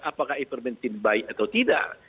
apakah ivermint baik atau tidak